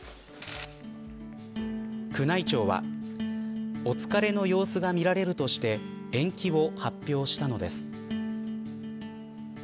宮内庁はお疲れの様子が見られるとして延期を発表したのです。